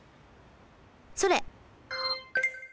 それ。